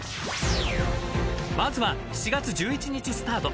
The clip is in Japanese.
［まずは７月１１日スタート